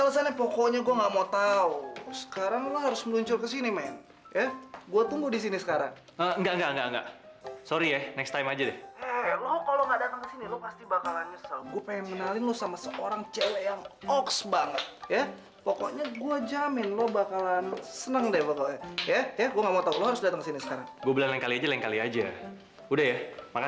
sampai jumpa di video selanjutnya